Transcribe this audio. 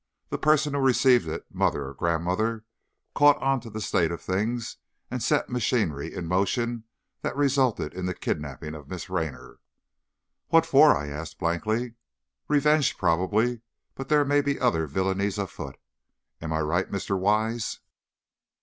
The person who received it, mother or grandmother, caught on to the state of things and set machinery in motion that resulted in the kidnaping of Miss Raynor." "What for?" I asked, blankly. "Revenge, probably, but there may be other villainies afoot. Am I right, Mr. Wise?"